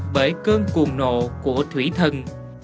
bởi cơn cuồng nộ của thủy thần